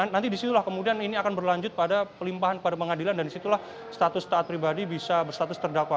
nanti disitulah kemudian ini akan berlanjut pada pelimpahan pada pengadilan dan disitulah status taat pribadi bisa berstatus terdakwa